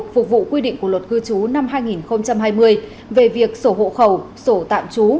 phục vụ quy định của luật cư trú năm hai nghìn hai mươi về việc sổ hộ khẩu sổ tạm trú